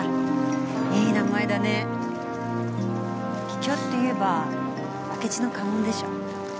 桔梗っていえば明智の家紋でしょ？